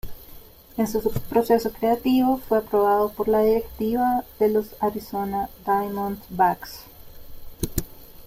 En su proceso creativo fue aprobado por la directiva de los Arizona Diamondbacks.